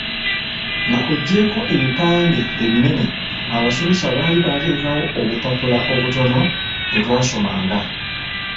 "Nga oggyeeko ebipande ebinene, abasomesa baali baateekawo obupapula obutono bwe twasomanga."